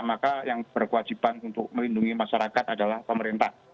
maka yang berkewajiban untuk melindungi masyarakat adalah pemerintah